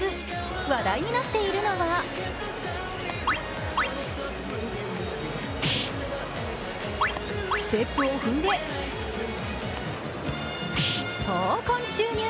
話題になっているのはステップを踏んで、闘魂注入！